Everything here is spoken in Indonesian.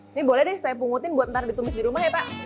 ini boleh deh saya pungutin buat ntar ditumis di rumah ya pak